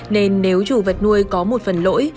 nên nếu chủ vật nuôi có một phần lỗi